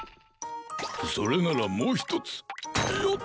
それならもうひとつよっ！